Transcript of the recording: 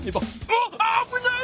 あっあぶない！